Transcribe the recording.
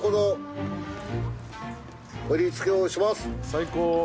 最高。